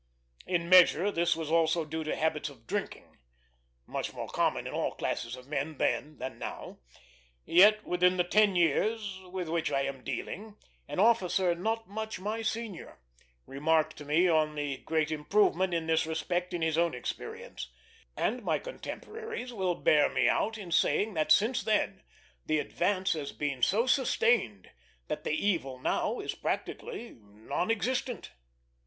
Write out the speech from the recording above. In measure, this was also due to habits of drinking, much more common in all classes of men then than now. Even within the ten years with which I am dealing, an officer not much my senior remarked to me on the great improvement in this respect in his own experience; and my contemporaries will bear me out in saying that since then the advance has been so sustained that the evil now is practically non existent.